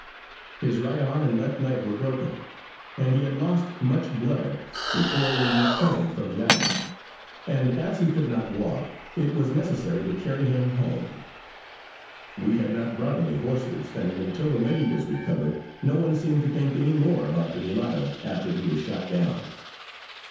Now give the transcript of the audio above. His right arm and left leg were broken, and he had lost much blood before we returned from the island; and as he could not walk, it was necessary to carry him home. We had not brought any horses, and until the lady was recovered, no one seemed to think any more about the mulatto after he was shot down.